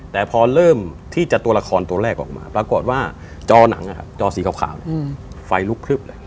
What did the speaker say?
แต่พอเริ่มที่จะตัวละครตัวแรกออกมาปรากฏว่าจอหนังจอสีขาวไฟลุกพลึบเลย